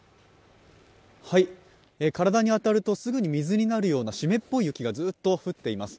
体に当たるとすぐに水になるような湿っぽい雪が降っています。